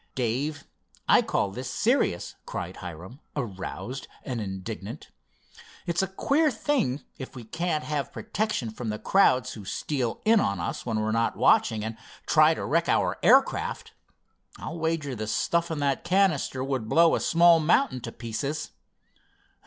"Dave, I call this serious!" cried Hiram, aroused and indignant. "It's a queer thing if we can't have protection from the cowards who steal in on us when we're not watching, and try to wreck our aircraft! I'll wager the stuff in that canister would blow a small mountain to pieces!"